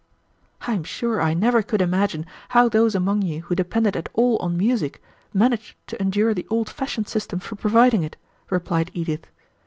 "I am sure I never could imagine how those among you who depended at all on music managed to endure the old fashioned system for providing it," replied Edith.